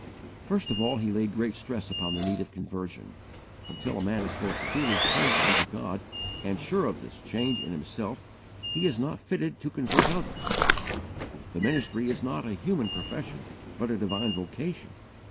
First of all he laid great stress upon the need of conversion. Until a man is both truly turned unto God and sure of this change in himself he is not fitted to convert others. The ministry is not a human profession, but a divine vocation.